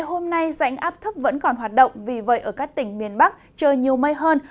hôm nay dạnh áp thấp vẫn còn hoạt động vì vậy ở các tỉnh miền bắc trời nhiều mây hơn